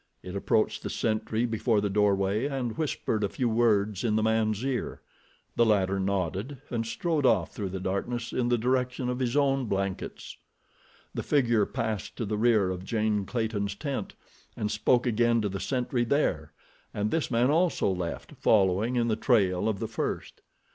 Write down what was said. It approached the sentry before the doorway and whispered a few words in the man's ear. The latter nodded, and strode off through the darkness in the direction of his own blankets. The figure passed to the rear of Jane Clayton's tent and spoke again to the sentry there, and this man also left, following in the trail of the first.